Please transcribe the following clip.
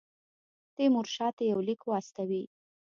تیمورشاه ته یو لیک واستوي.